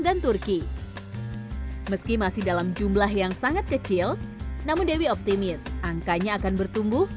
dan turki meski masih dalam jumlah yang sangat kecil namun dewi optimis angkanya akan bertumbuh